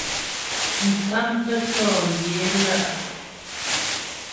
Mkámtə́ tɔ̌ yaə̌ ě lá' a.